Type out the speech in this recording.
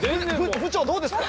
部長どうですか。